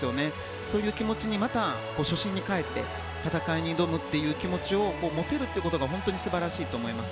そういう気持ちにまた初心に帰って戦いに挑むという気持ちを持てるということが本当に素晴らしいと思います。